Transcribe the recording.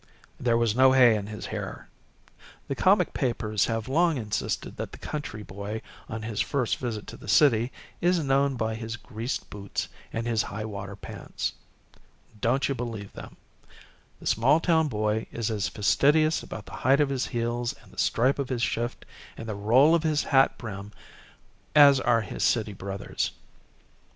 There was no hay in his hair. The comic papers have long insisted that the country boy, on his first visit to the city, is known by his greased boots and his high water pants. Don't you believe them. The small town boy is as fastidious about the height of his heels and the stripe of his shift and the roll of his hat brim as are his city brothers.